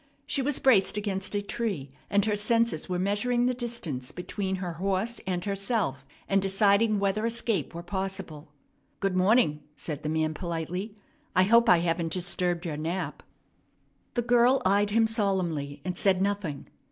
She was braced against a tree, and her senses were measuring the distance between her horse and herself, and deciding whether escape were possible. "Good morning," said the man politely. "I hope I haven't disturbed your nap." The girl eyed him solemnly, and said nothing.